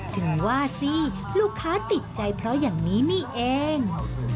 ถึงว่าสิลูกค้าติดใจเพราะอย่างนี้นี่เอง